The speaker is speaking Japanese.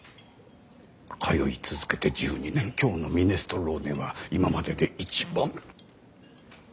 通い続けて１２年今日のミネストローネは今までで一番。